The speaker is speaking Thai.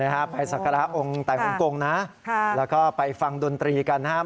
ไปสักการะองค์ไตฮงกงนะแล้วก็ไปฟังดนตรีกันนะครับ